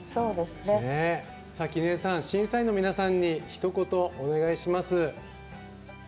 キヌエさん、審査員の皆さんにひと言、お願いします。